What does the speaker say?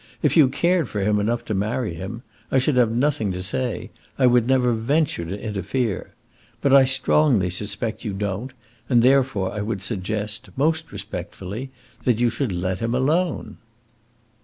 If you cared for him enough to marry him, I should have nothing to say; I would never venture to interfere. But I strongly suspect you don't, and therefore I would suggest, most respectfully, that you should let him alone."